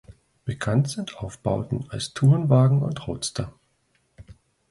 Bekannt sind Aufbauten als Tourenwagen und Roadster.